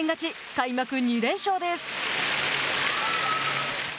開幕２連勝です。